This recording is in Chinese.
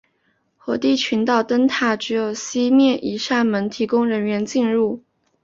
火地群岛灯塔只有西面一扇门提供人员进入。